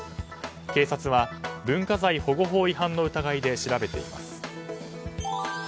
警察は文化財保護法違反の疑いで調べています。